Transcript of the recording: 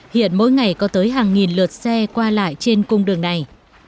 hiện mỗi ngày có tới hàng nghìn lượt xe qua lại trên cung đường này